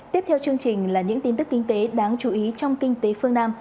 tiếp theo chương trình là những tin tức kinh tế đáng chú ý trong kinh tế phương nam